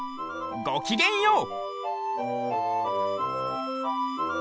ごきげんよう。